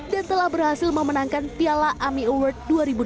dan telah berhasil memenangkan piala ami award dua ribu delapan belas